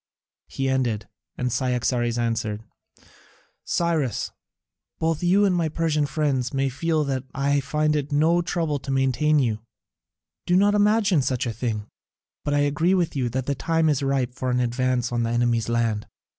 He ended, and Cyaxares answered: "Cyrus, both you and all my Persian friends may feel sure that I find it no trouble to maintain you; do not imagine such a thing; but I agree with you that the time is ripe for an advance on the enemy's land."